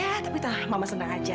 ya tapi tah mama senang aja